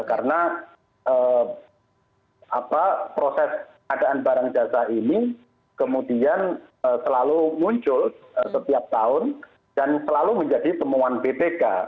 karena proses adaan barang jasa ini kemudian selalu muncul setiap tahun dan selalu menjadi temuan bpk